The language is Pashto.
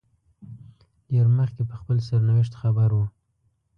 ډېر مخکې په خپل سرنوشت خبر وو.